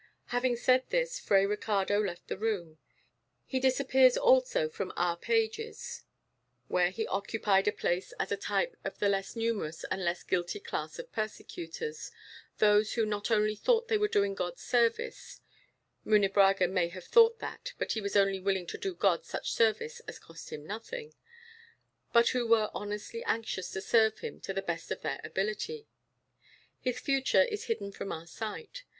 Having said this, Fray Ricardo left the room. He disappears also from our pages, where he occupied a place as a type of the less numerous and less guilty class of persecutors those who not only thought they were doing God service (Munebrãga may have thought that, but he was only willing to do God such service as cost him nothing), but who were honestly anxious to serve him to the best of their ability. His future is hidden from our sight.